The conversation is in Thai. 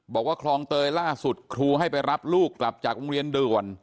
บอกว่าคลองเตยล่าสุดครูให้ไปรับลูกกลับจากโรงเรียนด่วน